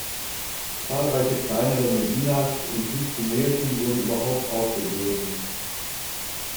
Zahlreiche kleinere Medinas in Südtunesien wurden überhaupt aufgegeben.